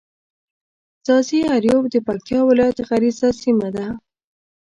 ځاځي اريوب د پکتيا ولايت غرييزه سيمه ده.